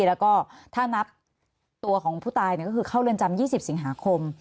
แล้วก็ถ้านับตัวของผู้ตายก็คือเข้าเรือนจำ๒๐สิงหาคม